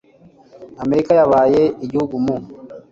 Amerika yabaye igihugu mu .